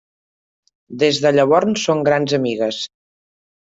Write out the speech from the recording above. Des de llavors són grans amigues.